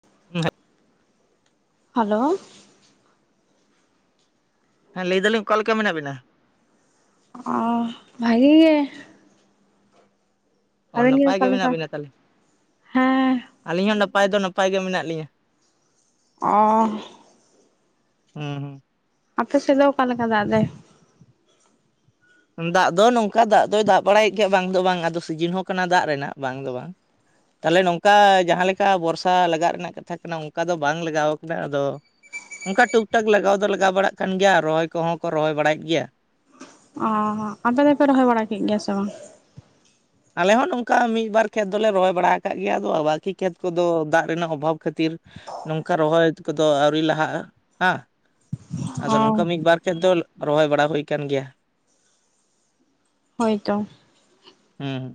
[inaudible] Hello ᱦᱮᱸ ᱞᱟᱹᱭᱫᱟᱞᱤᱧ ᱚᱠᱟ ᱞᱮᱠᱟ ᱢᱮᱱᱟᱜ ᱵᱤᱱᱟ ᱚ ᱵᱷᱟᱹᱜᱤ ᱜᱮ ᱚ ᱟᱵᱮᱱ ᱱᱟᱯᱟᱭ ᱚᱠᱟ ᱜᱮ ᱢᱮᱱᱟᱜ ᱞᱮᱠᱟ ᱵᱤᱱᱟ ᱛᱟᱦᱚᱞᱮ ᱦᱮᱸ ᱟᱹᱞᱤᱧ ᱦᱚᱸ ᱱᱟᱯᱟᱭ ᱫᱚ ᱱᱟᱯᱟᱭ ᱜᱮ ᱢᱮᱱᱟᱜ ᱞᱤᱧᱟᱹ ᱚᱻ ᱦᱩᱸ ᱦᱩᱸ ᱟᱯᱮ ᱥᱮᱫ ᱫᱚ ᱚᱠᱟ ᱞᱮᱠᱟ ᱫᱟᱜ ᱫᱟᱭ ᱫᱟᱜ ᱫᱚ ᱱᱚᱝᱠᱟ ᱫᱟᱜ ᱫᱚᱭ ᱫᱟᱜ ᱵᱟᱲᱟᱭᱮᱫ ᱜᱮᱭᱟ ᱵᱟᱝ ᱫᱚ ᱵᱟᱝ ᱟᱫᱚ ᱥᱤᱡᱤᱱ ᱦᱚᱸ ᱠᱟᱱᱟ ᱫᱟᱜ ᱨᱮᱱᱟᱜ ᱵᱟᱝ ᱫᱚ ᱵᱟᱝ ᱛᱟᱦᱚᱞᱮ ᱱᱚᱝᱠᱟ ᱡᱟᱦᱟᱸ ᱞᱮᱠᱟ ᱵᱚᱨᱥᱟ ᱞᱟᱜᱟᱜ ᱨᱮᱱᱟᱜ ᱠᱟᱛᱷᱟ ᱠᱟᱱᱟ ᱚᱱᱠᱟ ᱫᱚ ᱵᱟᱝ ᱞᱟᱜᱟᱣ ᱠᱟᱱᱟ ᱟᱫᱚ ᱚᱱᱠᱟ ᱴᱩᱠ ᱴᱟᱠ ᱞᱟᱜᱟᱣ ᱫᱚ ᱞᱟᱜᱟᱣ ᱵᱟᱲᱟᱜ ᱠᱟᱱ ᱜᱮᱭᱟ ᱨᱚᱦᱚᱭ ᱠᱚᱦᱚᱸ ᱠᱚ ᱨᱚᱦᱚᱭ ᱵᱟᱲᱟᱭᱮᱫ ᱜᱮᱭᱟ ᱚ ᱟᱯᱮ ᱫᱚᱯᱮ ᱨᱚᱦᱚᱭ ᱵᱟᱲᱟ ᱠᱮᱫ ᱜᱮᱭᱟ ᱥᱮ ᱵᱟᱝ ᱟᱞᱮ ᱦᱚᱸ ᱱᱚᱝᱠᱟ ᱢᱤᱫᱵᱟᱨ ᱠᱷᱮᱛ ᱫᱚᱞᱮ ᱨᱚᱦᱚᱭ ᱵᱟᱲᱟ ᱟᱠᱟᱫ ᱜᱮᱭᱟ ᱟᱫᱚ ᱵᱟᱹᱠᱤ ᱠᱷᱮᱛ ᱠᱚᱫᱚ ᱫᱟᱜ ᱨᱮᱱᱟᱜ ᱚᱵᱷᱟᱵᱽ ᱠᱷᱟᱹᱛᱤᱨ ᱱᱚᱝᱠᱟ ᱨᱚᱦᱚᱭ ᱠᱚᱫᱚ ᱟᱹᱣᱨᱤ ᱞᱟᱦᱟᱜᱼᱟ ᱦᱟ ᱟᱫᱚ ᱚ ᱱᱚᱝᱠᱟ ᱢᱤᱫᱵᱟᱨ ᱠᱷᱮᱫ ᱫᱚ ᱨᱚᱦᱚᱭ ᱵᱟᱲᱟ ᱦᱩᱭ ᱟᱠᱟᱱ ᱜᱮᱭᱟ ᱦᱳᱭᱛᱳ ᱦᱩᱸ ᱦᱩᱸ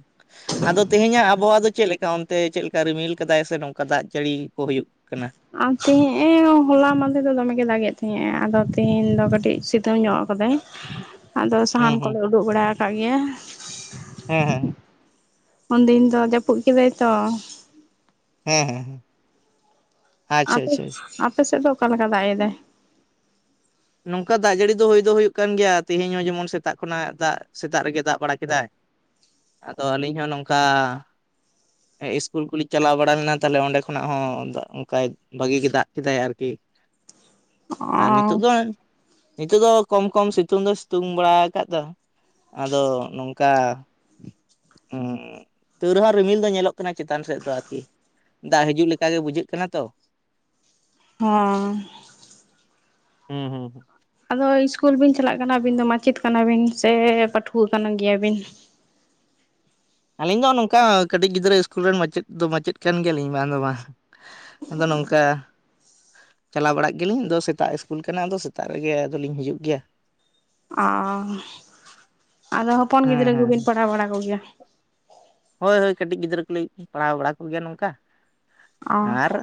ᱟᱫᱚ ᱛᱮᱦᱮᱸᱧᱟᱜ ᱟᱵᱚᱣᱟᱜ ᱫᱚ ᱪᱮᱫ ᱞᱮᱠᱟ ᱟᱯᱮ ᱚᱱᱛᱮ ᱪᱮᱫ ᱞᱮᱠᱟ ᱨᱤᱢᱤᱞ ᱠᱟᱫᱟᱭ ᱥᱮ ᱱᱚᱝᱠᱟ ᱫᱟᱜ ᱡᱟᱹᱲᱤ ᱠᱚ ᱦᱩᱭᱩᱜ ᱠᱟᱱᱟ᱾ ᱟᱨ ᱛᱮᱦᱤᱧ ᱮ ᱦᱚᱞᱟ ᱢᱟᱫᱷᱮᱨ ᱫᱚ ᱫᱚᱢᱮ ᱜᱮ ᱫᱟᱜ ᱮᱫ ᱛᱟᱦᱮᱸ ᱟᱫᱚ ᱛᱤᱦᱤᱧ ᱫᱚ ᱠᱟᱹᱴᱤᱡ ᱥᱤᱛᱩᱝ ᱧᱚᱜ ᱠᱟᱫᱟᱭ ᱟᱫᱚ ᱥᱟᱦᱟᱱ ᱦᱩᱸ ᱦᱩᱸ ᱠᱚᱞᱮ ᱩᱰᱩᱠ ᱵᱟᱲᱟ ᱠᱟᱜ ᱜᱮᱭᱟ᱾ ᱦᱮᱸᱻ ᱦᱮᱸᱻ ᱦᱮᱸ᱾ ᱩᱱᱫᱤᱱ ᱫᱚ ᱡᱟᱹᱯᱩᱫ ᱠᱮᱫᱟᱭ ᱛᱚ᱾ ᱦᱮᱸᱻᱦᱮᱸᱻᱦᱮᱸ᱾ ᱟᱫᱚ ᱟᱯᱮ ᱥᱮᱫ ᱫᱚ ᱚᱠᱟ ᱞᱮᱠᱟ ᱫᱟᱜ ᱮᱫᱟᱭ᱾ ᱱᱚᱝᱠᱟ ᱫᱟᱜ ᱡᱟᱹᱲᱤ ᱫᱚ ᱦᱩᱭ ᱫᱚ ᱦᱩᱭᱩᱜ ᱠᱟᱱ ᱜᱮᱭᱟ ᱛᱮᱦᱮᱸᱧ ᱦᱚᱸ ᱡᱮᱢᱚᱱ ᱥᱮᱛᱟᱜ ᱠᱷᱚᱱᱟᱜ ᱫᱟᱜᱼᱼ ᱥᱮᱛᱟᱜ ᱨᱮᱜᱮ ᱫᱟᱜ ᱵᱟᱲᱟ ᱠᱮᱫᱟᱭ ᱟᱫᱚ ᱟᱹᱞᱤᱧ ᱦᱚᱸ ᱱᱚᱝᱠᱟᱼᱼ ᱤᱥᱠᱩᱞ ᱠᱚᱞᱤᱧ ᱪᱟᱞᱟᱣ ᱵᱟᱲᱟ ᱞᱮᱱᱟ ᱛᱟᱦᱚᱞᱮ ᱚᱸᱰᱮ ᱠᱷᱚᱱᱟᱜ ᱦᱚᱸ ᱚᱱᱠᱟᱭ ᱵᱷᱟᱹᱜᱤ ᱜᱮ ᱫᱟᱜ ᱠᱮᱫᱟᱭ ᱟᱨᱠᱤ ᱟᱨ ᱱᱤᱛᱚᱜ ᱚ ᱫᱚ ᱱᱤᱛᱚᱜ ᱫᱚ ᱠᱚᱢ ᱠᱚᱢ ᱥᱤᱛᱩᱝ ᱫᱚ ᱥᱤᱛᱩᱝ ᱵᱟᱲᱟ ᱟᱠᱟᱫᱟ ᱫᱚ ᱟᱫᱚ ᱱᱚᱝᱠᱟ ᱚᱸ ᱛᱟᱹᱨᱮᱦᱚᱸ ᱨᱤᱢᱤᱞ ᱫᱚ ᱧᱮᱞᱚᱜ ᱠᱟᱱᱟ ᱪᱮᱛᱟᱱ ᱥᱮᱫ ᱫᱚ ᱟᱨᱠᱤ ᱫᱟᱜ ᱦᱤᱡᱩᱜ ᱞᱮᱠᱟ ᱜᱮ ᱵᱩᱡᱷᱟᱹᱜ ᱠᱟᱱᱟ ᱛᱚ ᱦᱮᱸ᱾ ᱦᱩᱸ ᱦᱩᱸ ᱦᱩᱸ᱾ ᱟᱫᱚ ᱤᱥᱠᱩᱞ ᱵᱤᱱ ᱪᱟᱞᱟᱜ ᱠᱟᱱᱟ, ᱟᱹᱵᱤᱱ ᱫᱚ ᱢᱟᱪᱮᱫ ᱠᱟᱱᱟᱵᱤᱱ ᱥᱮ ᱯᱟᱹᱴᱷᱩᱣᱟᱹ ᱠᱟᱱ ᱜᱮᱭᱟ ᱵᱤᱱ᱾ ᱟᱹᱞᱤᱧ ᱫᱚ ᱱᱚᱝᱠᱟ ᱠᱟᱹᱴᱤᱡ ᱜᱤᱫᱽᱨᱟᱹ ᱥᱠᱩᱞ ᱨᱮᱱ ᱢᱟᱪᱮᱫ ᱫᱚ ᱢᱟᱪᱮᱫ ᱠᱟᱱ ᱜᱮᱭᱟᱞᱤᱧ ᱵᱟᱝ ᱫᱚ ᱵᱟᱝ᱾ ᱟᱫᱚ ᱱᱚᱝᱠᱟ ᱪᱟᱞᱟᱣ ᱵᱟᱲᱟᱜ ᱜᱮᱭᱟᱞᱤᱝ, ᱟᱫᱚ ᱥᱮᱛᱟᱜ ᱤᱥᱠᱩᱞ ᱠᱟᱱᱟ, ᱟᱫᱚ ᱥᱮᱛᱟᱜ ᱨᱮᱜᱮ ᱟᱫᱚᱞᱤᱧ ᱦᱤᱡᱩᱜ ᱜᱮᱭᱟ᱾ ᱚ ᱟᱫᱚ ᱦᱚᱯᱚᱱ ᱦᱮᱸ ᱜᱤᱫᱽᱨᱟᱹ ᱦᱮᱸ ᱜᱮᱵᱤᱱ ᱯᱟᱲᱦᱟᱣ ᱵᱟᱲᱟ ᱠᱚ ᱜᱮᱭᱟ᱾ ᱦᱳᱭ ᱦᱳᱭ ᱠᱟᱹᱴᱤᱡ ᱜᱤᱫᱽᱨᱟᱹ ᱠᱚᱞᱤᱧ ᱯᱟᱲᱦᱟᱣ ᱵᱟᱲᱟ ᱠᱚ ᱜᱮᱭᱟ ᱱᱚᱝᱠᱟ᱾ ᱚ ᱟᱨ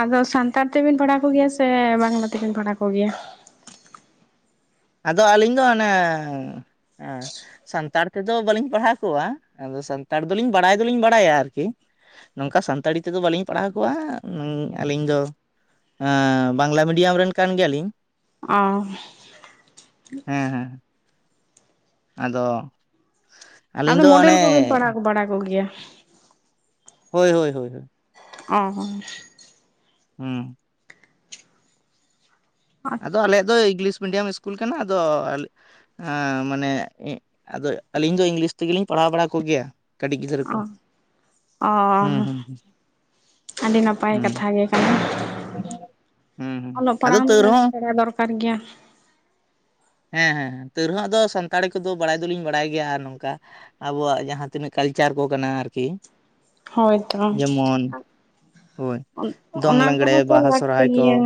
ᱟᱫᱚ ᱥᱟᱱᱛᱟᱲ ᱛᱮᱵᱤᱱ ᱯᱟᱲᱦᱟᱣ ᱠᱚ ᱜᱮᱭᱟ ᱥᱮ ᱵᱟᱝᱞᱟ ᱛᱮᱵᱤᱱ ᱯᱟᱲᱦᱟᱣ ᱠᱚ ᱜᱮᱭᱟ? ᱟᱫᱚ ᱟᱹᱞᱤᱧ ᱫᱚ ᱦᱟᱱᱮ ᱥᱟᱱᱛᱟᱲ ᱛᱮᱫᱚ ᱵᱟᱞᱤᱧ ᱯᱟᱲᱦᱟᱣ ᱠᱚᱣᱟ ᱟᱫᱚ ᱥᱟᱱᱛᱟᱲ ᱫᱚ ᱞᱤᱧ ᱵᱟᱲᱟᱭ ᱫᱚ ᱞᱤᱧ ᱵᱟᱲᱟᱭᱟ ᱟᱨᱠᱤ᱾ ᱱᱚᱝᱠᱟ ᱥᱟᱱᱛᱟᱲᱤ ᱛᱮᱫᱚ ᱵᱟᱞᱤᱧ ᱯᱟᱲᱦᱟᱣ ᱠᱚᱣᱟ ᱟᱹᱞᱤᱧ ᱫᱚ ᱦᱮᱸ ᱵᱟᱝᱞᱟ ᱢᱤᱰᱤᱭᱟᱢ ᱨᱮᱱ ᱠᱟᱱ ᱜᱮᱭᱟᱞᱤᱧ᱾ ᱚᱸ ᱦᱮᱸ ᱦᱮᱸ᱾ ᱟᱫᱚ ᱟᱹᱞᱤᱧ ᱟᱫᱚ ᱫᱚ ᱢᱚᱰᱮᱞ ᱚᱱᱮ ᱠᱚᱵᱤᱱ ᱯᱟᱲᱦᱟᱣ ᱵᱟᱲᱟ ᱠᱚ ᱜᱮᱭᱟ᱾ ᱦᱳᱭ ᱦᱳᱭ ᱦᱳᱭ᱾ ᱚ ᱦᱚ ᱦᱩᱸ ᱟᱫᱚ ᱟᱞᱮᱭᱟᱜ ᱫᱚ ᱤᱝᱞᱤᱥ ᱢᱤᱰᱤᱭᱟᱢ ᱤᱥᱠᱩᱞ ᱠᱟᱱᱟ ᱟᱫᱚ ᱦᱮᱸ ᱢᱟᱱᱮ ᱟᱫᱚ ᱟᱹᱞᱤᱧ ᱫᱚ ᱤᱝᱞᱤᱥ ᱛᱮᱜᱮ ᱞᱤᱧ ᱯᱟᱲᱦᱟᱣ ᱵᱟᱲᱟ ᱠᱚ ᱜᱮᱭᱟ᱾ ᱠᱟᱹᱴᱤᱡ ᱜᱤᱫᱽᱨᱟᱹ ᱚ ᱚᱻ ᱦᱩᱸ ᱦᱩᱸ ᱟᱹᱰᱤ ᱱᱟᱯᱟᱭ ᱦᱩᱸ ᱠᱟᱛᱷᱟ ᱜᱮ ᱠᱟᱱᱟ, ᱦᱩᱸ ᱦᱩᱸ ᱚᱞᱚᱜ ᱟᱫᱚ ᱯᱟᱲᱦᱟᱣᱟᱢ ᱛᱟᱹᱣ ᱨᱮᱦᱚᱸ [unintelligible] ᱥᱮᱬᱟ ᱫᱚᱨᱠᱟᱨ ᱜᱮᱭᱟ᱾ ᱦᱮᱸ ᱦᱮᱸ ᱛᱟᱹᱣ ᱨᱮᱦᱚᱸ ᱟᱫᱚ ᱥᱟᱱᱛᱟᱲᱤ ᱠᱚᱫᱚ ᱵᱟᱲᱟᱭ ᱫᱚᱞᱤᱧ ᱵᱟᱲᱟᱭ ᱜᱮᱭᱟ ᱟᱨ ᱱᱚᱝᱠᱟ᱾ ᱟᱵᱚᱣᱟᱜ ᱡᱟᱦᱟᱸ ᱛᱤᱱᱟᱹᱜ ᱠᱟᱞᱪᱟᱨ ᱠᱚ ᱠᱟᱱᱟ ᱟᱨ ᱠᱤ᱾ ᱦᱳᱭ ᱛᱚ᱾ ᱦᱳᱭ ᱫᱚᱝ ᱞᱟᱜᱽᱲᱮ ᱛᱚ ᱵᱟᱦᱟ ᱞᱟᱹᱠᱛᱤ ᱥᱚᱨᱦᱟᱭ ᱠᱚ᱾ ᱜᱮᱭᱟ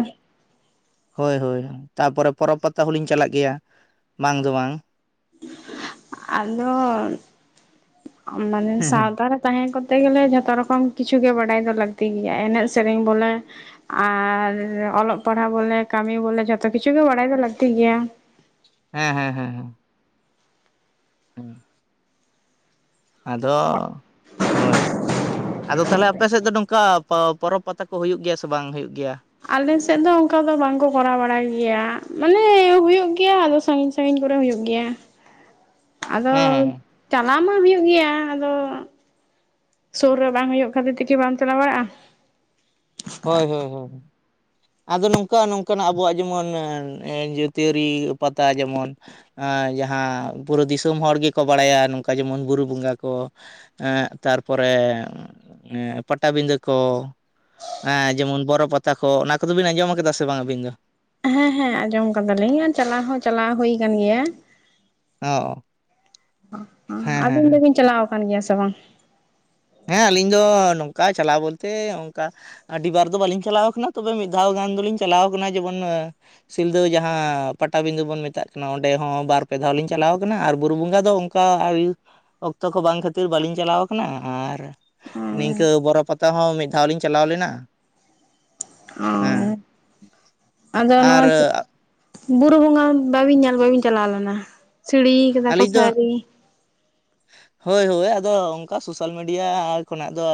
ᱦᱳᱭ ᱦᱳᱭ ᱛᱟᱯᱚᱨᱮ ᱯᱚᱨᱚᱵᱽ ᱯᱟᱛᱟ ᱦᱚᱞᱤᱧ ᱪᱟᱞᱟᱜ ᱜᱮᱭᱟ ᱵᱟᱝ ᱫᱚ ᱵᱟᱝ᱾ ᱟᱫᱚ ᱢᱟᱱᱮ ᱦᱮᱸ ᱥᱟᱶᱛᱟ ᱨᱮ ᱛᱟᱦᱮᱸ ᱠᱚᱨᱛᱮ ᱜᱮᱞᱮ ᱡᱷᱚᱛᱚ ᱨᱚᱠᱚᱢ ᱠᱤᱪᱷᱩ ᱜᱮ ᱵᱟᱰᱟᱭ ᱫᱚ ᱞᱟᱹᱠᱛᱤ ᱜᱮᱭᱟ, ᱮᱱᱮᱡ ᱥᱮᱨᱮᱧ ᱵᱚᱞᱮ ᱟᱨ ᱚᱞᱚᱜ ᱯᱟᱲᱦᱟᱜ ᱵᱚᱞᱮ ᱠᱟᱹᱢᱤ ᱵᱚᱞᱮ ᱡᱷᱚᱛᱚ ᱠᱤᱪᱷᱩ ᱜᱮ ᱵᱟᱲᱟᱭ ᱫᱚ ᱞᱟᱹᱠᱛᱤ ᱜᱮᱭᱟ᱾ ᱦᱮᱸ ᱦᱮᱸ ᱦᱮᱸ ᱦᱮᱸ᱾ ᱟᱫᱚ ᱦᱳᱭ᱾ ᱟᱫᱚ ᱛᱟᱦᱚᱞᱮ ᱟᱯᱮ ᱥᱮᱫ ᱫᱚ ᱱᱚᱝᱠᱟ ᱯᱚᱨᱚᱵ ᱯᱟᱛᱟ ᱠᱚ ᱦᱩᱭᱩᱜ ᱜᱮᱭᱟ ᱥᱮ ᱵᱟᱝ ᱦᱩᱭᱩᱜ ᱜᱮᱭᱟ? ᱟᱞᱮ ᱥᱮᱫ ᱫᱚ ᱚᱱᱠᱟ ᱫᱚ ᱵᱟᱝᱠᱚ ᱠᱚᱨᱟᱣ ᱵᱟᱲᱟᱭ ᱜᱮᱭᱟ ᱢᱟᱱᱮ ᱦᱩᱭᱩᱜ ᱜᱮᱭᱟ ᱟᱫᱚ ᱥᱟᱺᱜᱤᱧ ᱥᱟᱺᱜᱤᱧ ᱠᱚᱨᱮ ᱦᱩᱭᱩᱜ ᱜᱮᱭᱟ ᱟᱫᱚ ᱦᱮᱸ ᱦᱮᱸ ᱦᱮᱸ ᱪᱟ ᱪᱟ ᱢᱟ ᱦᱩᱭᱩᱜ ᱜᱮᱭᱟ ᱟᱫᱚ ᱥᱳᱨ ᱨᱮ ᱵᱟᱝ ᱦᱳᱭᱳᱜ ᱠᱷᱟᱹᱛᱤᱨ ᱛᱮᱠᱤ ᱵᱟᱢ ᱪᱟᱞᱟᱣ ᱵᱟᱲᱟᱜᱼᱟ᱾ ᱦᱳᱭ ᱦᱳᱭ ᱦᱳᱭ ᱟᱫᱚ ᱱᱚᱝᱠᱟ ᱱᱚᱝᱠᱟᱱᱟᱜ ᱟᱵᱚᱣᱟᱜ ᱡᱮᱢᱚᱱ ᱡᱟᱹᱛᱤᱭᱟᱹᱨᱤ ᱯᱟᱛᱟ ᱡᱮᱢᱚᱱ᱾ ᱡᱟᱦᱟᱸ ᱵᱩᱨᱩ ᱫᱤᱥᱚᱢ ᱦᱚᱲ ᱜᱮᱠᱚ ᱵᱟᱲᱟᱭᱟ ᱱᱚᱝᱠᱟ ᱡᱮᱢᱚᱱ ᱵᱩᱨᱩ ᱵᱚᱸᱜᱟ ᱠᱚ᱾ ᱮᱜ ᱛᱟᱨᱯᱚᱨᱮ ᱯᱟᱴᱟᱵᱤᱸᱫᱟᱹ ᱠᱚ᱾ ᱦᱮᱸ ᱡᱮᱢᱚᱱ ᱵᱚᱨᱚ ᱯᱟᱛᱟ ᱠᱚ, ᱚᱱᱟ ᱠᱚᱫᱚ ᱵᱤᱱ ᱟᱸᱡᱚᱢ ᱟᱠᱟᱫᱟ ᱥᱮ ᱵᱟᱝ ᱟᱹᱵᱤᱱ ᱫᱚ? ᱦᱮᱸ ᱦᱮᱸ ᱟᱸᱡᱚᱢ ᱠᱟᱫᱟᱞᱤᱧ ᱟᱨ ᱪᱟᱞᱟᱣ ᱦᱚᱸ ᱪᱟᱞᱟᱣ ᱦᱳᱭ ᱟᱠᱟᱱ ᱜᱮᱭᱟ᱾ ᱚ ᱦᱮᱸ ᱦᱮᱸ ᱟᱹᱵᱤᱱ ᱫᱚᱵᱤᱱ ᱪᱟᱞᱟᱣ ᱟᱠᱟᱱ ᱜᱮᱭᱟ ᱥᱮ ᱵᱟᱝ? ᱦᱮᱸ ᱟᱹᱞᱤᱧ ᱫᱚ ᱱᱚᱝᱠᱟ ᱪᱟᱞᱟᱣ ᱵᱚᱞᱛᱮ ᱦᱚᱜᱝᱠᱟ ᱟᱹᱰᱤ ᱵᱟᱨ ᱫᱚ ᱵᱟᱹᱞᱤᱧ ᱪᱟᱞᱟᱣ ᱠᱟᱱᱟ ᱛᱚᱵᱮ ᱢᱤᱫ ᱫᱷᱟᱣ ᱜᱟᱱ ᱫᱚᱞᱤᱧ ᱪᱟᱞᱟᱣ ᱠᱟᱱᱟ ᱡᱮᱢᱚᱱ ᱟᱸ ᱥᱤᱞᱫᱟᱹ ᱡᱟᱦᱟᱸ ᱯᱟᱴᱟᱵᱤᱸᱫᱟᱹ ᱵᱚᱱ ᱢᱮᱛᱟᱜ ᱠᱟᱱᱟ ᱚᱸᱰᱮ ᱦᱚᱸ ᱵᱟᱨ ᱯᱮ ᱫᱷᱟᱣ ᱞᱤᱧ ᱪᱟᱞᱟᱣ ᱠᱟᱱᱟ ᱟᱨ ᱵᱩᱨᱩ ᱵᱚᱸᱜᱟ ᱫᱚ ᱩᱝ ᱚᱝᱠᱟ ᱟᱹᱣ ᱚᱠᱛᱚ ᱠᱚ ᱵᱟᱝ ᱠᱷᱟᱹᱛᱤᱨ ᱵᱟᱟᱹᱞᱤᱧ ᱪᱟᱞᱟᱣ ᱟᱠᱟᱱᱟ᱾ ᱟᱨ ᱱᱤᱝᱠᱟᱹ ᱵᱚᱨᱚ ᱯᱟᱟᱛᱟ ᱦᱚᱸ ᱢᱤᱫ ᱫᱷᱟᱣ ᱞᱤᱧ ᱪᱟᱞᱟᱣ ᱞᱮᱱᱟ᱾ ᱦᱮᱸ ᱚ ᱟᱫᱚ ᱟᱨ ᱱᱚᱣᱟ ᱵᱩᱨᱩ ᱵᱚᱸᱜᱟ ᱵᱟᱵᱤᱱ ᱧᱮᱞ ᱵᱟᱵᱤᱱ ᱪᱟᱞᱟᱣ ᱞᱮᱱᱟ ᱥᱤᱲᱤ ᱠᱮᱫᱟ ᱠᱚ ᱟᱹᱞᱤᱧ ᱥᱮ ᱫᱚ ᱟᱣᱨᱤ ᱦᱳᱭ ᱦᱳᱭ ᱟᱫᱚ ᱚᱱᱠᱟ ᱥᱳᱥᱟᱞ ᱢᱤᱰᱤᱭᱟ ᱠᱷᱚᱱᱟᱜ ᱫᱚ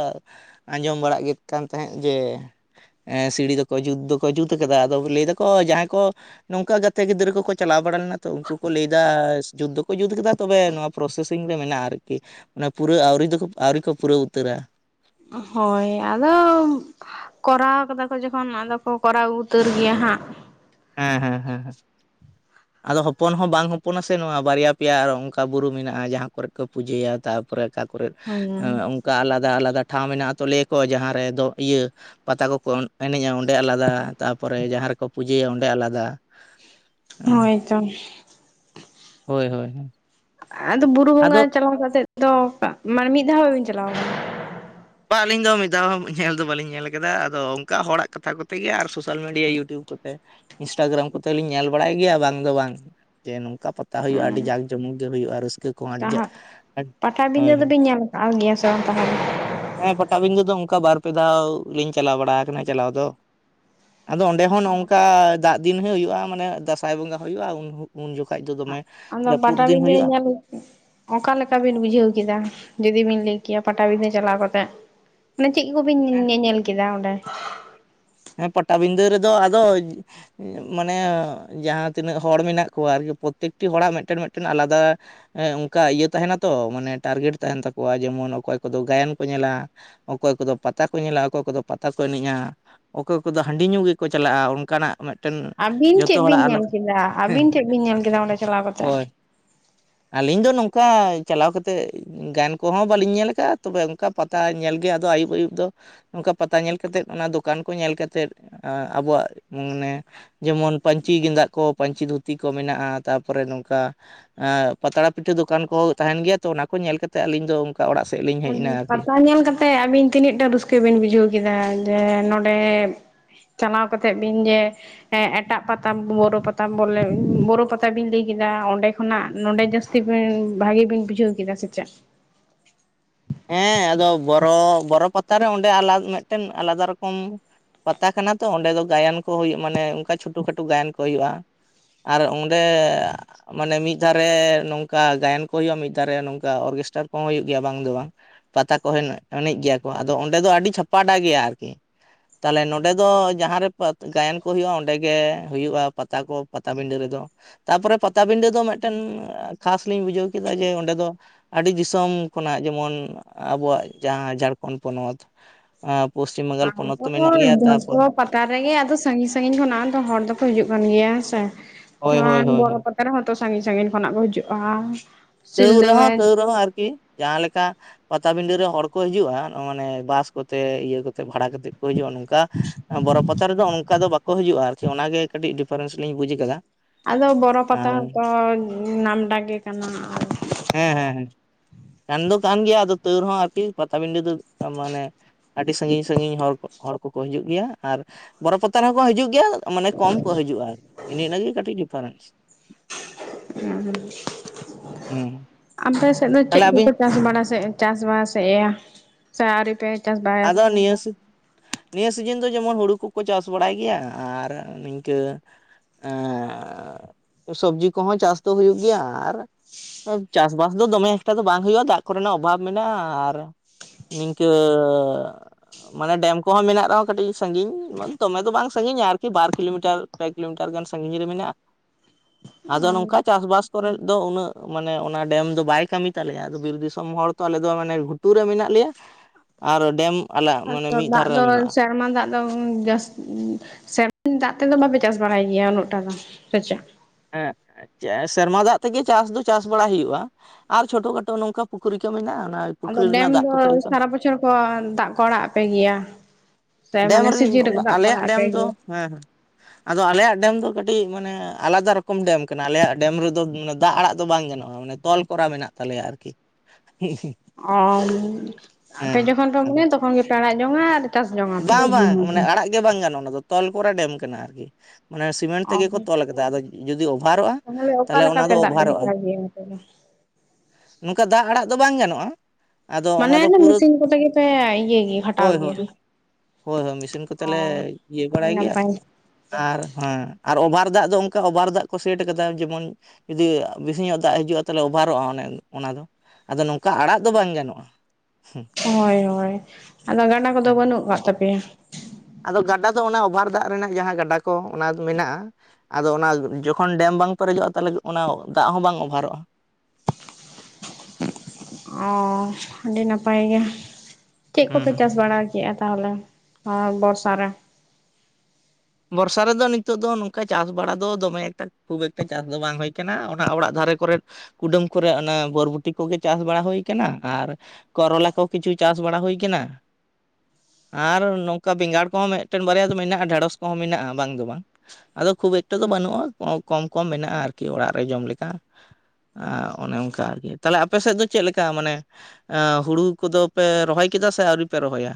ᱟᱸᱡᱚᱢ ᱵᱟᱲᱟᱜ ᱜᱮ ᱠᱟᱱ ᱛᱟᱦᱮᱸᱫ ᱜᱮ ᱥᱤᱲᱤ ᱫᱚᱠᱚ ᱡᱩᱛ ᱫᱚᱠᱚ ᱡᱩᱛ ᱟᱠᱟᱫᱟ ᱟᱫᱚ ᱞᱟᱹᱭ ᱮᱫᱟᱠᱚ ᱡᱟᱦᱟᱸᱭ ᱠᱚ ᱱᱚᱝᱠᱟ ᱜᱟᱛᱮ ᱜᱤᱫᱽᱨᱟᱹ ᱠᱚᱠᱚ ᱪᱟᱞᱟᱣ ᱵᱟᱲᱟ ᱞᱮᱱᱟ ᱛᱚ ᱩᱱᱠᱩ ᱠᱚ ᱞᱟᱹᱭ ᱮᱫᱟ ᱡᱩᱛ ᱫᱚᱠᱚ ᱡᱩᱛ ᱠᱮᱫᱟ ᱛᱚᱵᱮ ᱱᱚᱣᱟ ᱯᱨᱚᱥᱮᱥ ᱥᱤᱝ ᱨᱮ ᱢᱮᱱᱟᱜᱼᱟ ᱟᱨᱠᱤ ᱢᱟᱱᱮ ᱯᱩᱨᱟᱹ ᱟᱹᱣᱨᱤ ᱫᱚᱠᱚ ᱟᱹᱣᱨᱤ ᱠᱚ ᱯᱩᱨᱟᱹᱣ ᱩᱛᱟᱹᱨᱟ ᱦᱳᱭ ᱟᱫᱚ ᱠᱚᱨᱟᱣ ᱠᱟᱫᱟ ᱠᱚ ᱡᱚᱠᱷᱚᱱ ᱟᱫᱚ ᱠᱚ ᱠᱚᱨᱟᱣ ᱩᱛᱟᱹᱨ ᱜᱮᱭᱟ ᱦᱟᱸᱜ ᱦᱮᱸ ᱦᱮᱸ ᱦᱮᱸ ᱦᱮᱸ [unintelligible] ᱟᱫᱚ ᱦᱚᱯᱚᱱ ᱦᱚᱸ ᱵᱟᱝ ᱦᱚᱯᱚᱱᱟ ᱥᱮ ᱱᱚᱣᱟ ᱵᱟᱨᱭᱟ ᱯᱮᱭᱟ ᱟᱨ ᱚᱱᱠᱟ ᱵᱩᱨᱩ ᱢᱮᱱᱟᱜᱼᱟ ᱡᱟᱦᱟᱸ ᱠᱚᱨᱮ ᱠᱚ ᱯᱩᱡᱟᱹᱭᱟ ᱛᱟᱯᱚᱨᱮ ᱚᱠᱟ ᱠᱚᱨᱮᱫ ᱦᱩᱸ ᱚᱱᱠᱟ ᱟᱞᱟᱫᱟ ᱟᱞᱟᱫᱟ ᱴᱷᱟᱶ ᱢᱮᱱᱟᱜ ᱟᱛᱚ ᱞᱟᱹᱭᱟᱠᱚ ᱡᱟᱦᱟᱸ ᱨᱮ ᱫᱚ ᱤᱭᱟᱹ ᱯᱟᱛᱟ ᱠᱚᱠᱚ ᱮᱱᱮᱡᱼᱟ ᱚᱸᱰᱮ ᱟᱞᱟᱫᱟ ᱛᱟᱯᱚᱨᱮ ᱡᱟᱦᱟᱸ ᱨᱮᱠᱚ ᱯᱩᱡᱟᱹ ᱚᱸᱰᱮ ᱟᱞᱟᱫᱟ ᱦᱮᱸ ᱦᱳᱭ ᱛᱚ ᱦᱳᱭ ᱦᱳᱭ ᱟᱫᱚ ᱵᱩᱨᱩ ᱵᱚᱸᱜᱟ ᱟᱫᱚ ᱪᱟᱞᱟᱣ ᱠᱟᱛᱮᱫ ᱫᱚ ᱢᱟᱱᱮ ᱢᱤᱫ ᱫᱷᱟᱣ ᱵᱟᱹᱵᱤᱱ‌ ᱪᱟᱞᱟᱣ ᱟᱠᱟᱱᱟ ᱵᱟᱝ ᱟᱹᱞᱤᱧ ᱫᱚ ᱢᱤᱫ ᱫᱷᱟᱣ ᱦᱚᱸ ᱧᱮᱞ ᱫᱚ ᱵᱟᱹᱞᱤᱧ ᱧᱮᱞ ᱠᱟᱫᱟ ᱟᱫᱚ ᱚᱱᱠᱟ ᱦᱚᱲᱟᱜ ᱠᱟᱛᱷᱟ ᱠᱚᱛᱮ ᱜᱮ ᱟᱨ ᱥᱳᱥᱟᱞ ᱢᱤᱰᱤᱭᱟ ᱤᱭᱩᱴᱩᱵᱽ ᱠᱚᱛᱮ ᱤᱱᱥᱴᱟᱜᱨᱟᱢ ᱠᱚᱛᱮ ᱞᱤᱧ ᱧᱮᱞ ᱵᱟᱲᱟᱭ ᱜᱮᱭᱟ ᱵᱟᱝ ᱫᱚ ᱵᱟᱝ ᱡᱮ ᱱᱚᱝᱠᱟ ᱯᱟᱛᱟ ᱦᱩᱭᱩᱜᱼᱟ ᱟᱹᱰᱤ ᱠᱟᱱᱟ ᱡᱟᱸᱠ ᱡᱚᱢᱚᱠ ᱜᱮ ᱦᱩᱭᱩᱜᱼᱟ ᱨᱟᱹᱥᱠᱟᱹ ᱠᱚᱦᱚᱸ ᱦᱳᱭ ᱦᱳᱭ ᱟ ᱜᱮᱭᱟᱢ ᱥᱮ ᱵᱟᱝ ᱛᱟᱦᱚᱞ ᱦᱮᱸ ᱯᱟᱴᱟᱵᱤᱸᱫᱟᱹ ᱫᱚ ᱚᱱᱠᱟ ᱵᱟᱨ ᱯᱮ ᱫᱷᱟᱣ ᱞᱤᱧ ᱪᱟᱞᱟᱣ ᱵᱟᱲᱟ ᱟᱠᱟᱱᱟ ᱪᱟᱞᱟᱣ ᱫᱚ ᱟᱫᱚ ᱚᱸᱰᱮ ᱦᱚᱸ ᱱᱚᱝᱠᱟ ᱫᱟᱜ ᱫᱤᱱ ᱜᱮ ᱦᱩᱭᱩᱜᱼᱟ ᱢᱟᱱᱮ ᱫᱟᱸᱥᱟᱭ ᱵᱚᱸᱜᱟ ᱦᱩᱭᱩᱜᱼᱟ ᱩᱱ ᱩᱱ ᱡᱚᱠᱷᱟᱡ ᱫᱚᱢᱮ ᱟᱫᱚ ᱡᱟᱹᱯᱩᱫ ᱫᱤᱱ ᱯᱟᱴᱟᱵᱤᱸᱫᱟᱹ ᱦᱩᱭᱩᱜᱼᱟ ᱧᱮᱞ ᱚᱠᱟᱞᱮᱠᱟ ᱵᱤᱱ ᱵᱩᱡᱷᱟᱹᱣ ᱠᱮᱫᱟ ᱡᱩᱫᱤ ᱵᱤᱱ ᱞᱟᱹᱭ ᱠᱮᱭᱟ ᱯᱟᱴᱟᱵᱤᱸᱫᱷᱟᱹ ᱪᱟᱞᱟᱣ ᱠᱟᱛᱮᱜ ᱢᱟᱱᱮ ᱪᱮᱫ ᱠᱚᱵᱤᱱ ᱦᱮᱸ ᱧᱮ ᱧᱮᱞ ᱠᱮᱫᱟ ᱚᱸᱰᱮ ᱦᱮᱸ ᱯᱟᱴᱟᱵᱤᱸᱫᱟᱹ ᱨᱮᱫᱚ ᱟᱫᱚ ᱢᱟᱱᱮ ᱡᱟᱦᱟᱸ ᱛᱤᱱᱟᱹᱜ ᱦᱚᱲ ᱢᱮᱱᱟᱜ ᱠᱚᱣᱟ ᱟᱨᱠᱤ ᱯᱨᱚᱛᱛᱮᱠᱴᱤ ᱦᱚᱲᱟᱜ ᱢᱤᱫᱴᱮᱱ ᱢᱤᱫᱴᱮᱱ ᱟᱞᱟᱫᱟ ᱦᱮᱸ ᱚᱱᱠᱟ ᱤᱭᱟᱹ ᱛᱟᱦᱮᱱᱟ ᱛᱚ ᱢᱟᱱᱮ ᱴᱟᱨᱜᱮᱴ ᱛᱟᱦᱮᱱ ᱛᱟᱠᱚᱣᱟ ᱡᱮᱢᱚᱱ ᱚᱠᱚᱭ ᱠᱚᱫᱚ ᱜᱟᱭᱟᱱ ᱠᱚ ᱧᱮᱞᱟ ᱚᱠᱚᱭ ᱠᱚᱫᱚ ᱯᱟᱛᱟ ᱠᱚ ᱧᱮᱞᱟ ᱚᱠᱚᱭ ᱠᱚᱫᱚ ᱯᱟᱛᱟ ᱠᱚ ᱮᱱᱮᱡᱼᱟ ᱚᱠᱚᱭ ᱠᱚᱫᱚ ᱦᱟᱹᱰᱤ ᱧᱩ ᱜᱮᱠᱚ ᱪᱟᱞᱟᱜᱼᱟ ᱚᱱᱠᱟᱱᱟᱜ ᱢᱤᱫᱴᱮᱱ ᱟᱹᱵᱤᱱ ᱡᱚᱛᱚ ᱪᱮᱫ ᱵᱤᱱ ᱦᱚᱲᱟᱜ ᱧᱮᱞ ᱟᱞᱟᱜ ᱠᱮᱫᱟ ᱟᱹᱵᱤᱱ ᱦᱮᱸ ᱪᱮᱫ ᱵᱤᱱ ᱧᱮᱞ ᱠᱮᱫᱟ ᱚᱸᱰᱮ ᱪᱟᱞᱟᱣ ᱠᱟᱛᱮᱫ ᱦᱳᱭ ᱟᱹᱞᱤᱧ ᱫᱚ ᱱᱚᱝᱠᱟ ᱪᱟᱞᱟᱣ ᱠᱟᱛᱮᱫ ᱜᱟᱭᱟᱱ ᱠᱚᱦᱚᱸ ᱵᱟᱹᱞᱤᱧ ᱧᱮᱞ ᱟᱠᱟᱜᱼᱟ ᱛᱚᱵᱮ ᱚᱱᱠᱟ ᱯᱟᱛᱟ ᱧᱮᱞ ᱜᱮ ᱟᱫᱚ ᱟᱹᱭᱩᱵ ᱟᱹᱭᱩᱵ ᱫᱚ ᱚᱱᱠᱟ ᱯᱟᱛᱟ ᱧᱮᱞ ᱠᱟᱛᱮᱜ ᱚᱱᱟ ᱫᱚᱠᱟᱱ ᱠᱚ ᱧᱮᱞ ᱠᱟᱛᱮᱜ ᱟᱵᱚᱣᱟᱜ ᱢᱟᱱᱮ ᱡᱮᱢᱚᱱ ᱯᱟᱹᱧᱪᱤ ᱜᱮᱸᱫᱟᱜ ᱠᱚ ᱯᱟᱹᱧᱪᱤ ᱫᱷᱩᱛᱤ ᱠᱚ ᱢᱮᱱᱟᱜᱼᱟ ᱛᱟᱯᱚ ᱨᱮ ᱱᱚᱝᱠᱟ ᱯᱟᱛᱲᱟ ᱯᱤᱴᱷᱟᱹ ᱫᱚᱠᱟᱱ ᱠᱚ ᱦᱚᱸ ᱛᱟᱦᱮᱱ ᱜᱮᱭᱟ ᱛᱚ ᱚᱱᱟ ᱠᱚ ᱧᱮᱞ ᱠᱟᱛᱮᱫ ᱟᱹᱞᱤᱧ ᱫᱚ ᱚᱱᱠᱟ ᱚᱲᱟᱜ ᱥᱮᱫ ᱞᱤᱧ ᱦᱮᱡ ᱮᱱᱟ ᱟᱨᱠᱤ [unintelligible] ᱟᱵᱤᱱ ᱛᱤᱱᱟᱹᱜ ᱴᱟ ᱨᱟᱹᱥᱠᱟᱹ ᱵᱤᱱ ᱵᱩᱡᱷᱟᱹᱣ ᱠᱮᱫᱟ ᱡᱮ ᱱᱚᱸᱰᱮ ᱪᱟᱞᱟᱣ ᱠᱟᱛᱮᱫ ᱵᱤᱱ ᱡᱮ ᱦᱮᱸ ᱮᱴᱟᱜ ᱯᱟᱛᱟ ᱵᱚᱨᱚ ᱯᱟᱛᱟ ᱵᱚᱞᱮ ᱵᱚᱨᱚ ᱯᱟᱛᱟ ᱵᱤᱱ ᱞᱟᱹᱭ ᱠᱮᱫᱟ ᱚᱸᱰᱮ ᱠᱷᱚᱱᱟᱜ ᱱᱚᱸᱰᱮ ᱡᱟᱹᱥᱛᱤ ᱵᱤᱱ ᱵᱷᱟᱜᱮ ᱵᱤᱱ ᱵᱩᱡᱷᱟᱹᱣ ᱠᱮᱫᱟ ᱥᱮ ᱪᱮᱫ ᱦᱮᱸ ᱟᱫᱚ ᱵᱚᱨᱚ ᱵᱚᱨᱚ ᱯᱟᱛᱟ ᱨᱮ ᱚᱸᱰᱮ ᱢᱤᱫ ᱴᱮᱱ ᱟᱞᱟᱫᱟ ᱨᱚᱠᱚᱢ ᱯᱟᱛᱟ ᱠᱟᱱᱟ ᱛᱚ ᱚᱸᱰᱮ ᱫᱚ ᱜᱟᱭᱟᱱ ᱠᱚ ᱦᱳᱭᱳᱜ ᱢᱟᱱᱮ ᱚᱱᱠᱟ ᱪᱷᱳᱴᱳ ᱠᱷᱟᱴᱳ ᱜᱟᱭᱟᱱ ᱠᱚ ᱦᱳᱭᱳᱜᱼᱟ ᱟᱨ ᱚᱸᱰᱮ ᱢᱟᱱᱮ ᱢᱤᱫ ᱫᱷᱟ ᱨᱮ ᱱᱚᱝᱠᱟ ᱜᱟᱭᱟᱱ ᱠᱚ ᱦᱳᱭᱳᱜᱼᱟ ᱢᱤᱫ ᱫᱷᱟᱨᱮ ᱱᱚᱝᱠᱟ ᱚᱨᱜᱮᱥᱴᱟᱨ ᱠᱚᱦᱚᱸ ᱦᱳᱭᱳᱜ ᱜᱮᱭᱟ ᱵᱟᱝ ᱫᱚ ᱵᱟᱝ ᱯᱟᱛᱟ ᱠᱚ ᱮᱱᱮᱡ ᱜᱮᱭᱟ ᱠᱚ ᱟᱫᱚ ᱚᱸᱰᱮ ᱫᱚ ᱟᱹᱰᱤ ᱪᱷᱟᱯᱟᱰᱟ ᱜᱮᱭᱟ ᱟᱨᱠᱤ ᱛᱟᱦᱞᱮ ᱱᱚᱸᱰᱮ ᱫᱚ ᱡᱟᱦᱟ ᱨᱮ ᱜᱟᱭᱟᱱ ᱠᱚ ᱦᱩᱭᱩᱜᱼᱟ ᱚᱸᱰᱮ ᱜᱮ ᱦᱩᱭᱩᱜᱼᱟ ᱯᱟᱛᱟ ᱠᱚ ᱯᱟᱴᱟ ᱵᱤᱸᱰᱟᱹ ᱨᱮᱫᱚ ᱛᱟᱯᱚᱨᱮ ᱯᱟᱴᱟ ᱵᱤᱸᱰᱟᱹ ᱫᱚ ᱢᱤᱫ ᱴᱮᱱ ᱠᱷᱟᱥ ᱞᱤᱧ ᱵᱩᱡᱷᱟᱹᱣ ᱠᱮᱫᱟ ᱡᱮ ᱚᱸᱰᱮ ᱫᱚ ᱟᱹᱰᱤ ᱫᱤᱥᱚᱢ ᱠᱷᱚᱱᱟᱜ ᱡᱮᱢᱚᱱ ᱟᱵᱚᱣᱟᱜ ᱡᱟᱸᱦᱟ ᱡᱷᱟᱲᱠᱷᱚᱸᱱ ᱯᱚᱱᱚᱛ ᱯᱚᱥᱪᱷᱤᱢ ᱵᱟᱝ [unintelligible] ᱯᱟᱛᱟ ᱨᱮ ᱜᱮ ᱟᱫᱚ ᱥᱟᱸᱜᱤᱧ ᱥᱟᱸᱜᱤᱧ ᱠᱷᱚᱱᱟᱜ ᱦᱚᱲ ᱫᱚᱠᱚ ᱦᱤᱡᱩᱜ ᱠᱟᱱ ᱜᱮᱭᱟ ᱦᱮᱸ ᱥᱮ ᱦᱳᱭ ᱦᱳᱭ ᱡᱮᱢᱚᱱ ᱦᱳᱭ ᱵᱚᱨᱚ [unintelligible] [unintelligible] ᱛᱚ ᱥᱟᱸᱜᱤᱧ ᱥᱟᱸᱜᱤᱧ ᱠᱷᱚᱱᱟᱜ ᱠᱚ ᱦᱤᱡᱩᱜᱼᱟ ᱛᱟᱹᱣ ᱨᱮ ᱦᱚᱸ ᱥᱤᱞᱫᱟᱹ ᱛᱟᱹᱣ ᱨᱮ ᱦᱚᱸ ᱟᱨᱠᱤ ᱡᱟᱦᱟᱸ ᱞᱮᱠᱟ ᱯᱟᱴᱟ ᱵᱤᱸᱰᱟᱹ ᱨᱮ ᱦᱚᱲ ᱠᱚ ᱦᱤᱡᱩᱜᱼᱟ ᱢᱟᱱᱮ ᱵᱟᱥ ᱠᱚᱛᱮ ᱤᱭᱟᱹ ᱠᱚᱛᱮ ᱵᱷᱟᱲᱟ ᱠᱟᱛᱮᱜ ᱠᱚ ᱦᱤᱡᱩᱜᱼᱟ ᱚᱱᱠᱟ ᱵᱚᱨᱚ ᱯᱟᱛᱟ ᱨᱮᱫᱚ ᱚᱱᱠᱟ ᱫᱚ ᱵᱟᱠᱚ ᱦᱤᱡᱩᱜᱼᱟ ᱟᱨᱠᱤ ᱚᱱᱟ ᱜᱮ ᱠᱟᱹᱴᱤᱡ ᱰᱤᱯᱷᱟᱨᱮᱱᱥ ᱞᱤᱧ ᱵᱩᱡ ᱟᱠᱟᱫᱟ ᱟᱫᱚ ᱵᱚᱨᱚ ᱯᱟᱛᱟ ᱟᱨ ᱦᱚᱸᱛᱚ ᱱᱟᱢᱰᱟᱠ ᱜᱮ ᱠᱟᱱᱟ ᱦᱮᱸ ᱦᱮᱸ ᱦᱮᱸ ᱠᱟᱱ ᱫᱚ ᱠᱟᱱ ᱜᱮᱭᱟ ᱟᱫᱚ ᱛᱟᱸᱣ ᱦᱚᱸ ᱟᱨᱠᱤ ᱯᱟᱴᱟ ᱵᱤᱸᱰᱟᱹ ᱫᱚ ᱢᱟᱱᱮ ᱟᱹᱰᱤ ᱥᱟᱸᱜᱤᱧ ᱥᱟᱸᱜᱤᱧ ᱦᱚᱲ ᱦᱚᱲ ᱠᱚᱠᱚ ᱦᱤᱡᱩᱜ ᱜᱮᱭᱟ ᱟᱨ ᱵᱚᱨᱚ ᱯᱟᱛᱟᱱ ᱨᱮ ᱦᱚᱸᱠᱚ ᱦᱤᱡᱩᱜ ᱜᱮᱭᱟ ᱢᱟᱱᱮ ᱠᱚᱢ ᱠᱚ ᱦᱤᱡᱩᱜᱼᱟ [unintelligible] ᱠᱟᱹᱴᱤᱡ ᱰᱤᱯᱷᱟᱨᱮᱱᱥ [unintelligible] [unintelligible] ᱟᱯᱮ ᱥᱮᱫ ᱫᱚ ᱪᱮᱫ ᱛᱟᱦᱚᱞᱮ ᱟᱹᱵᱤᱱ ᱠᱚᱯᱮ ᱪᱟᱥ ᱵᱟᱲᱟ [unintelligible] ᱥᱮ ᱟᱹᱣᱨᱤ ᱯᱮ ᱪᱟᱥ ᱵᱟᱲᱟᱭᱟ ᱟᱫᱚ ᱱᱤᱭᱟᱹ ᱥᱤ ᱱᱤᱭᱟᱹ ᱥᱤᱡᱤᱱ ᱫᱚ ᱡᱮᱢᱚᱱ ᱦᱩᱲᱩ ᱠᱚᱠᱚ ᱪᱟᱥ ᱵᱟᱲᱟᱭ ᱜᱮᱭᱟ ᱟᱨ ᱱᱤᱝᱠᱟᱹ ᱦᱮᱸ ᱥᱚᱵᱽᱡᱤ ᱠᱚᱦᱚᱸ ᱪᱟᱥ ᱫᱚ ᱦᱩᱭᱩᱜ ᱜᱮᱭᱟ ᱟᱨ ᱪᱟᱥ ᱵᱟᱥ ᱫᱚ ᱫᱚᱢᱮ ᱮᱠᱴᱟ ᱫᱚ ᱵᱟᱝ ᱦᱩᱭᱩᱜᱼᱟ ᱫᱟᱜ ᱠᱚ ᱨᱮᱱᱟᱜ ᱚᱵᱷᱟᱵᱽ ᱢᱮᱱᱟᱜᱼᱟ ᱟᱨ ᱱᱤᱝᱠᱟᱹ ᱢᱟᱱᱮ ᱰᱮᱢ ᱠᱚᱦᱚᱸ ᱢᱮᱱᱟᱜ ᱨᱮᱦᱚᱸ ᱠᱟᱹᱴᱤᱡ ᱥᱟᱸᱜᱤᱧ ᱫᱚᱢᱮ ᱫᱚ ᱵᱟᱝ ᱥᱟᱸᱜᱤᱧᱟ ᱟᱨᱠᱤ ᱵᱟᱨ ᱠᱤᱞᱳᱢᱤᱴᱟᱨ ᱯᱮ ᱠᱤᱞᱳᱢᱤᱴᱟᱨ ᱜᱟᱱ ᱥᱟᱸᱜᱤᱧ ᱨᱮ ᱢᱮᱱᱟᱜᱼᱟ [inaudible] ᱟᱫᱚ ᱱᱚᱝᱠᱟ ᱪᱟᱥ ᱵᱟᱟᱥ ᱠᱚᱨᱮ ᱫᱚ ᱩᱱᱟᱹᱜ ᱢᱟᱱᱮ ᱚᱱᱟ ᱰᱮᱢ ᱫᱚ ᱵᱟᱭ ᱠᱟᱹᱢᱤ ᱛᱟᱞᱮ ᱭᱟ ᱟᱫᱚ ᱵᱤᱨ ᱫᱤᱥᱚᱢ ᱦᱚᱲ ᱛᱚ ᱟᱞᱮ ᱫᱚ ᱢᱟᱱᱮ ᱜᱷᱩᱴᱩ ᱨᱮ ᱢᱮᱱᱟᱜ ᱞᱮᱭᱟ ᱟᱨ ᱰᱮᱢ ᱟᱞᱮ ᱢᱟᱱᱮ ᱢᱤᱫ ᱫᱟᱜ ᱫᱷᱟᱨᱮ ᱨᱮ ᱫᱚ ᱢᱮᱱᱟᱜᱼᱟ ᱥᱮᱨᱢᱟ ᱫᱟᱜ [unintelligible] ᱫᱟᱜ ᱛᱮᱫᱚ ᱵᱟᱯᱮ ᱪᱟᱥ ᱵᱟᱲᱟᱭ ᱜᱮᱭᱟ ᱩᱱᱟᱹᱜ ᱴᱟ ᱫᱚ ᱥᱮ ᱪᱮᱫ ᱦᱮᱸ ᱥᱮᱨᱢᱟ ᱫᱟᱜ ᱛᱮᱜᱮ ᱪᱟᱥ ᱫᱚ ᱪᱟᱥ ᱵᱟᱲᱟᱭ ᱦᱩᱭᱩᱜᱼᱟ ᱟᱨ ᱪᱷᱳᱴᱚ ᱠᱷᱟᱴᱚ ᱱᱚᱝᱠᱟ ᱯᱩᱠᱷᱨᱤ ᱠᱚ ᱢᱮᱱᱟᱜᱼᱟ ᱚᱱᱟ ᱟᱫᱚ ᱯᱩᱠᱷᱨᱤ ᱰᱮᱢ ᱨᱮᱱᱟᱜ ᱫᱟᱜ ᱫᱚ ᱠᱚᱛᱮ ᱜᱮ ᱥᱟᱨᱟ ᱵᱚᱪᱷᱚᱨ ᱠᱚ ᱫᱟᱜ ᱠᱚ ᱟᱲᱟᱜ ᱟᱯᱮ ᱜᱮᱭᱟ ᱥᱮ ᱰᱮᱢ ᱢᱟᱱᱮ ᱨᱮᱱ ᱥᱤᱡᱤᱱ ᱨᱮᱠᱚ ᱫᱟᱜ ᱠᱚ ᱟᱲᱟᱜ ᱟᱞᱮᱭᱟᱜ ᱟᱯᱮ ᱰᱮᱢ ᱜᱮᱭᱟ ᱫᱚ ᱦᱮᱸ ᱦᱮᱸ ᱟᱫᱚ ᱟᱞᱮᱭᱟᱜ ᱰᱮᱢ ᱫᱚ ᱠᱟᱹᱴᱤᱡ ᱢᱟᱱᱮ ᱟᱞᱟᱫᱟ ᱨᱚᱠᱚᱢ ᱰᱮᱢ ᱠᱟᱱᱟ ᱟᱞᱮᱭᱟᱜ ᱰᱮᱢ ᱨᱮᱫᱚ ᱫᱟᱜ ᱟᱲᱟᱜ ᱫᱚ ᱵᱟᱝ ᱜᱟᱱᱚᱜᱼᱟ ᱢᱟᱱᱮ ᱛᱚᱞ ᱠᱚᱨᱟ ᱢᱮᱱᱟᱜ ᱛᱟᱞᱮᱭᱟ ᱟᱨᱠᱤ ᱚ ᱟᱯᱮ ᱦᱮᱸ ᱡᱚᱠᱷᱚᱱ ᱯᱮ ᱟᱫᱚ ᱢᱚᱱᱮᱭᱟ ᱛᱚᱠᱷᱚᱱ ᱜᱮ ᱯᱮ ᱟᱲᱟᱜ ᱡᱚᱝᱟ ᱟᱨ ᱪᱟᱥ ᱡᱚᱝᱟ ᱯᱮ ᱵᱟᱝ ᱵᱟᱝ ᱢᱟᱱᱮ ᱟᱲᱟᱜ ᱜᱮ ᱵᱟᱝ ᱜᱟᱱᱚᱜᱼᱟ ᱚᱱᱟ ᱫᱚ ᱛᱚᱞ ᱠᱚᱨᱟ ᱰᱮᱢ ᱠᱟᱱᱟ ᱟᱨᱠᱤ ᱢᱟᱱᱮ ᱥᱤᱢᱮᱱᱴ ᱚ ᱛᱮᱜᱮ ᱠᱚ ᱛᱚᱞ ᱠᱮᱫᱟ ᱟᱫᱚ ᱡᱩᱫᱤ ᱚᱵᱷᱟᱨᱚᱜᱼᱟ ᱚᱠᱟ ᱛᱟᱦᱚᱞᱮ ᱚᱱᱟ ᱞᱮᱠᱟ ᱫᱚ ᱯᱮ ᱫᱟᱜ ᱯᱮ ᱚᱵᱷᱟᱨᱚᱜᱼᱟ ᱦᱟᱛᱟᱣ ᱜᱮᱭᱟ ᱟᱯᱮ ᱫᱚ ᱱᱚᱝᱠᱟ ᱫᱟᱜ ᱟᱲᱟᱜ ᱫᱚ ᱵᱟᱝ ᱜᱟᱱᱚᱜᱼᱟ ᱟᱫᱚ ᱚᱱᱟ ᱢᱟᱱᱮ ᱫᱚ ᱯᱩᱨᱟᱹ ᱢᱮᱥᱤᱱ ᱠᱚᱛᱮ ᱜᱮᱯᱮ ᱤᱭᱟᱹᱭ ᱜᱮᱭᱟ ᱦᱟᱴᱟᱣ ᱦᱳᱭ ᱜᱮᱭᱟ? ᱦᱳᱭ ᱦᱳᱭ ᱦᱳᱭ ᱢᱮᱥᱤᱱ ᱠᱚᱛᱮ ᱞᱮ ᱚ ᱤᱭᱟᱹ ᱟᱹᱰᱤ ᱵᱟᱲᱟᱭ ᱜᱮᱭᱟ ᱱᱟᱯᱟᱭ ᱟᱨ ᱦᱮᱸ ᱟᱨ ᱚᱵᱷᱟᱨ ᱫᱟᱜ ᱫᱚ ᱚᱱᱠᱟ ᱚᱵᱷᱟᱨ ᱫᱟᱜ ᱠᱚ ᱥᱮᱴ ᱠᱟᱫᱟ ᱡᱮᱢᱚᱱ ᱡᱩᱫᱤ ᱵᱮᱥᱤ ᱧᱚᱜ ᱫᱟᱜ ᱦᱤᱡᱩᱜᱼᱟ ᱛᱟᱦᱚᱞᱮ ᱚᱵᱷᱟᱨᱚᱜᱼᱟ ᱚᱱᱮ ᱚᱱᱟ ᱫᱚ ᱟᱫᱚ ᱱᱚᱝᱠᱟ ᱟᱲᱟᱜ ᱫᱚ ᱵᱟᱝ ᱜᱟᱱᱚᱜᱼᱟ ᱦᱳᱭ ᱦᱳᱭ ᱟᱫᱚ ᱜᱟᱰᱟ ᱠᱚᱫᱚ ᱵᱟᱹᱱᱩᱜ ᱟᱠᱟᱫ ᱛᱟᱯᱮᱭᱟ ᱟᱫᱚ ᱜᱟᱰᱟ ᱫᱚ ᱚᱱᱟ ᱚᱵᱷᱟᱨ ᱫᱟᱜ ᱨᱮᱱᱟᱜ ᱡᱟᱦᱟᱸ ᱜᱟᱰᱟ ᱠᱚ ᱚᱱᱟ ᱢᱮᱱᱟᱜᱼᱟ᱾ ᱟᱫᱚ ᱚᱱᱟ ᱡᱚᱠᱷᱚᱱ ᱰᱮᱢ ᱵᱟᱝ ᱯᱮᱨᱮᱡᱚᱜᱼᱟ ᱛᱟᱦᱚᱞᱮ ᱚᱱᱟ ᱫᱟᱜ ᱦᱚᱸ ᱵᱟᱝ ᱚᱵᱷᱟᱨᱚᱜᱼᱟ ᱚ ᱟᱹᱰᱤ ᱱᱟᱯᱟᱭ ᱜᱮ ᱪᱮᱫ ᱦᱩᱸ ᱠᱚᱯᱮ ᱦᱩᱸ ᱪᱟᱥ ᱵᱟᱲᱟ ᱠᱮ-ᱟ ᱛᱟᱦᱚᱞᱮ ᱦᱮᱸ ᱵᱚᱨᱥᱟ ᱨᱮ ᱵᱚᱨᱥᱟ ᱨᱮᱫᱚ ᱱᱤᱛᱚᱜ ᱫᱚ ᱱᱚᱝᱠᱟ ᱪᱟᱥ ᱵᱟᱲᱟ ᱫᱚ ᱫᱚᱢᱮ ᱮᱠᱴᱟ ᱠᱷᱩᱵ ᱮᱠᱴᱟ ᱪᱟᱥ ᱫᱚ ᱵᱟᱝ ᱦᱩᱭ ᱠᱟᱱᱟ ᱚᱱᱟ ᱚᱲᱟᱜ ᱫᱷᱟᱨᱮ ᱠᱚᱨᱮᱫ ᱠᱩᱰᱟᱹᱢ ᱠᱚᱨᱮ ᱚᱱᱟ ᱵᱚᱨᱵᱚᱴᱤ ᱠᱚ ᱜᱮ ᱪᱟᱥ ᱵᱟᱲᱟ ᱦᱩᱭ ᱠᱟᱱᱟ ᱟᱨ ᱠᱚᱨᱚᱞᱟ ᱠᱚ ᱠᱤᱪᱷᱩ ᱪᱟᱥ ᱵᱟᱲᱟ ᱦᱩᱭ ᱠᱟᱱᱟ ᱟᱨ ᱱᱚᱝᱠᱟ ᱵᱮᱸᱜᱟᱲ ᱠᱚᱦᱚᱸ ᱢᱤᱫᱴᱟ. ᱝ ᱵᱟᱨᱭᱟ ᱫᱚ ᱢᱮᱱᱟᱜᱼᱟ ᱰᱷᱮᱸᱲᱚᱥ ᱠᱚᱦᱚᱸ ᱢᱮᱱᱟᱜᱼᱟ ᱵᱟᱝ ᱫᱚ ᱵᱟᱝ᱾ ᱟᱫᱚ ᱠᱷᱩᱵ ᱮᱠᱴᱟ ᱫᱚ ᱵᱟᱹᱱᱩᱜᱼᱟ ᱠᱚᱢ ᱠᱚᱢ ᱢᱮᱱᱟᱜᱼᱟ ᱟᱨᱠᱤ ᱚᱲᱟᱜ ᱨᱮ ᱡᱚᱢ ᱞᱮᱠᱟ᱾ ᱚᱱᱮ ᱚᱱᱠᱟ ᱜᱮ᱾ ᱛᱟᱦᱞᱮ ᱟᱯᱮ ᱥᱮᱫ ᱫᱚ ᱪᱮᱫ ᱞᱮᱠᱟ ᱢᱟᱱᱮ? ᱦᱩᱲᱩ ᱠᱚᱫᱚ ᱯᱮ ᱨᱚᱦᱚᱭ ᱠᱮᱫᱟ ᱥᱮ ᱟᱹᱣᱨᱤ ᱯᱮ ᱨᱚᱦᱚᱭᱟ?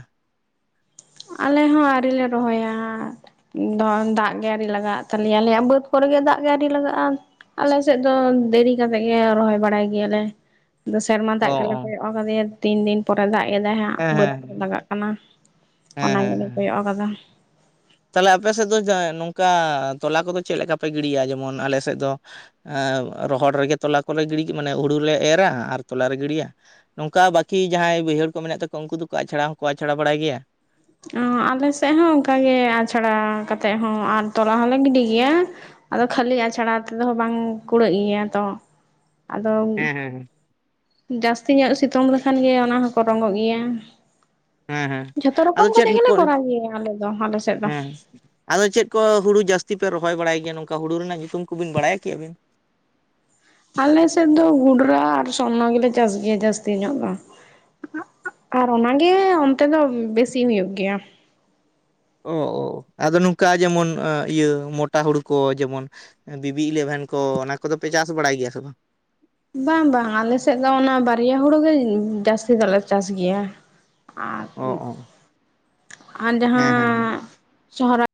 ᱟᱞᱮ ᱦᱚᱸ ᱟ. ᱣᱨᱤᱞᱮ ᱨᱚᱦᱚᱭᱟ᱾ ᱫᱚ ᱫᱟᱜ ᱜᱮ ᱟ. ᱨᱤ ᱞᱟᱜᱟᱜ ᱛᱟᱞᱮᱭᱟ ᱟᱞᱮᱭᱟᱜ ᱵᱟᱹᱫᱽ ᱠᱚᱨᱮ ᱜᱮ ᱫᱟᱜ ᱜᱮ ᱟ. ᱨᱤ ᱞᱟᱜᱟᱜᱼᱟ᱾ ᱟᱞᱮ ᱥᱮᱫ ᱫᱚ ᱫᱮᱨᱤ ᱠᱟᱛᱮᱫ ᱜᱮ ᱨᱚᱦᱚᱭ ᱵᱟᱲᱟᱭ ᱜᱮᱭᱟᱞᱮ᱾ ᱟᱫᱚ ᱥᱮᱨᱢᱟ ᱚ ᱫᱟᱜ ᱜᱮᱞᱮ ᱚ ᱠᱚᱭᱚᱜ ᱟᱠᱟᱫᱮᱭᱟ ᱛᱤᱱ ᱫᱤᱱ ᱯᱚᱨᱮ ᱫᱟᱜ ᱮᱫᱟᱭ ᱦᱟᱸᱜ ᱦᱮᱸ ᱵᱟᱹᱫ ᱦᱮᱸ ᱠᱚᱨᱮ ᱞᱟᱜᱟᱜ ᱠᱟᱱᱟ᱾ ᱚᱱᱟ ᱜᱮᱞᱮ ᱠᱚᱭᱚᱜ ᱟᱠᱟᱫᱟ᱾ ᱛᱟᱦᱞᱮ ᱟᱯᱮ ᱥᱮᱫ ᱫᱚ ᱡᱟᱭ ᱱᱚᱝᱠᱟ ᱛᱚᱞᱟ ᱠᱚᱫᱚ ᱪᱮᱫ ᱞᱮᱠᱟ ᱯᱮ ᱜᱤᱲᱤᱭᱟ? ᱡᱮᱢᱚᱱ ᱟᱞᱮ ᱥᱮᱫ ᱫᱚ ᱨᱚᱦᱚᱲ ᱨᱮᱜᱮ ᱛᱚᱞᱟ ᱠᱚᱞᱮ ᱜᱤᱰᱤ ᱢᱟᱱᱮ ᱦᱩᱲᱩ ᱞᱮ ᱮᱨᱟ ᱟᱨ ᱛᱚᱞᱟ ᱞᱮ ᱜᱤᱰᱤᱭᱟ᱾ ᱱᱚᱝᱠᱟ ᱵᱟᱹᱠᱤ ᱡᱟᱦᱟᱸᱭ ᱵᱟᱹᱭᱦᱟᱹᱲ ᱠᱚ ᱢᱮᱱᱟᱜ ᱛᱟᱠᱚᱣᱟ ᱩᱱᱠᱩ ᱫᱚᱠᱚ ᱟᱪᱷᱲᱟ ᱦᱚᱸᱠᱚ ᱟᱪᱷᱲᱟ ᱵᱟᱲᱟᱭ ᱜᱮᱭᱟ᱾ ᱟᱸ ᱟᱞᱮ ᱥᱮᱫ ᱦᱚᱸ ᱚᱱᱠᱟᱜ ᱜᱮ ᱟᱪᱷᱲᱟ ᱠᱟᱛᱮᱜ ᱦᱚᱸ ᱟᱨ ᱛᱚᱞᱟ ᱦᱚᱸᱞᱮ ᱜᱤᱰᱤ ᱜᱮᱭᱟ᱾ ᱟᱫᱚ ᱠᱷᱟᱹᱞᱤ ᱟᱪᱷᱲᱟ ᱛᱮᱫᱚ ᱵᱟᱝ ᱠᱩᱲᱟᱹᱜ ᱜᱮᱭᱟ ᱛᱚ ᱟᱫᱚ ᱦᱮᱸ ᱦᱮᱸ ᱡᱟᱹᱥᱛᱤ ᱧᱚᱜ ᱥᱤᱛᱩᱝ ᱞᱮᱠᱷᱟᱱ ᱜᱮ ᱚᱱᱟ ᱦᱚᱸᱠᱚ ᱨᱚᱝᱜᱚᱜ ᱜᱮᱭᱟ᱾ ᱦᱮᱸ ᱦᱮᱸ ᱡᱷᱚᱛᱚ ᱨᱚᱠᱚᱢ ᱟᱫᱚ ᱪᱮᱫ ᱠᱟᱛᱮ ᱜᱮᱞᱮ ᱠᱚ ᱦᱮᱸ ᱠᱚᱨᱟᱣ ᱜᱮᱭᱟ ᱟᱞᱮ ᱫᱚ ᱟᱞᱮ ᱥᱮᱫ ᱫᱚ᱾ ᱟᱫᱚ ᱪᱮᱫ ᱠᱚ ᱦᱩᱲᱩ ᱡᱟᱹᱥᱛᱤ ᱯᱮ ᱨᱚᱦᱚᱭ ᱵᱟᱲᱟᱭ ᱜᱮᱭᱟ ᱱᱚᱝᱠᱟ ᱦᱩᱲᱩ ᱨᱮᱱᱟᱜ ᱧᱩᱛᱩᱢ ᱠᱚᱵᱤᱱ ᱵᱟᱲᱟᱭᱟ ᱠᱤ ᱟ. ᱵᱤᱱ? ᱟᱞᱮᱥᱮᱫ ᱫᱚ ᱜᱩᱰᱨᱟ ᱟᱨ ᱥᱚᱨᱱᱚ ᱜᱮᱞᱮ ᱪᱟᱥ ᱜᱮᱭᱟ ᱡᱟᱹᱥᱛᱤ ᱧᱚᱜ ᱫᱚ᱾ ᱟᱨ ᱚᱱᱟ ᱜᱮ ᱚᱱᱛᱮ ᱫᱚ ᱵᱮᱥᱤ ᱦᱩᱭᱩᱜ ᱜᱮᱭᱟ᱾ ᱚᱻ ᱟᱫᱚ ᱱᱚᱝᱠᱟ ᱡᱮᱢᱚᱱ ᱤᱭᱟᱹ ᱢᱚᱴᱟ ᱦᱩᱲᱩ ᱠᱚ ᱡᱮᱢᱚᱱ ᱵᱤᱵᱤ ᱤᱞᱮᱵᱷᱮᱱ ᱠᱚ ᱚᱱᱟ ᱠᱚᱫᱚᱯᱮ ᱪᱟᱥ ᱵᱟᱲᱟᱭ ᱜᱮᱭᱟ ᱥᱮ ᱵᱟᱝ? ᱵᱟᱝ ᱵᱟᱝ ᱟᱞᱮᱥᱮᱫ ᱫᱚ ᱚᱱᱟ ᱵᱟᱨᱭᱟ ᱦᱩᱲᱩ ᱜᱮ ᱡᱟᱹᱥᱛᱤ ᱫᱚ ᱞᱮ ᱪᱟᱥ ᱜᱮᱭᱟ᱾ ᱟᱨ ᱚ ᱚ ᱟᱨ ᱦᱮᱸ ᱦᱮᱸ ᱡᱟᱦᱟᱸ ᱥᱚᱦᱨᱟᱭ